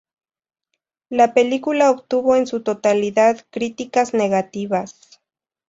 La película obtuvo en su totalidad críticas negativas.